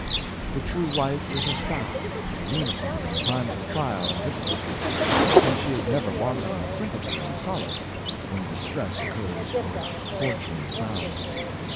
The true wife is a staff to lean upon in times of trial and difficulty; and she is never wanting in sympathy and solace when distress occurs or fortune frowns.